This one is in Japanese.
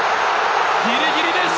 ギリギリです。